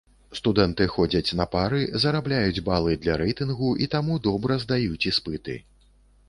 Студэнты ходзяць на пары, зарабляюць балы для рэйтынгу, і таму добра здаюць іспыты.